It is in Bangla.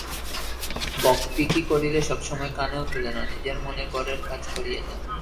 বকবিকি করিলে সবসময় কানেও তোলে না, নিজের মনে ঘরের কাজ করিয়া যায়।